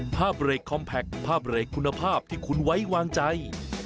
ภาพเลขคอมแพคภาพเลขคุณภาพที่คุณไว้วางใจ